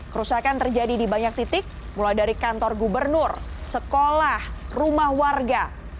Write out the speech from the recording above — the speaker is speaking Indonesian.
kerusakan terjadi di banyak titik mulai dari kantor gubernur sekolah rumah warga